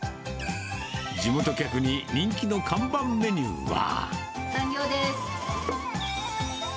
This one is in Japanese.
地元客に人気の看板メニューは。